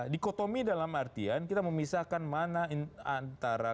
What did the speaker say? dikotomi dalam artian kita memisahkan mana antara